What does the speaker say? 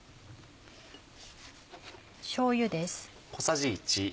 しょうゆです。